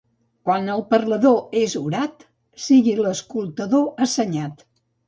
Quan el parlador és orat, sigui l'escoltador assenyat.